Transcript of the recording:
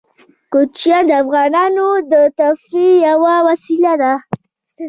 کوچیان د افغانانو د تفریح یوه وسیله ده.